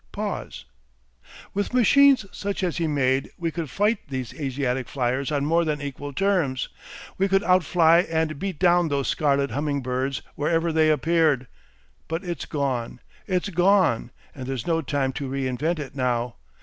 Pause. "With machines such as he made we could fight these Asiatic fliers on more than equal terms. We could outfly and beat down those scarlet humming birds wherever they appeared. But it's gone, it's gone, and there's no time to reinvent it now.